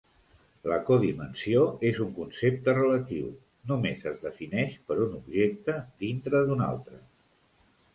La codimensió és un concepte "relatiu": només es defineix per un objecte "dintre" d'un altre.